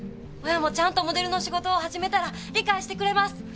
親もちゃんとモデルの仕事を始めたら理解してくれます！